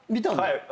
はい。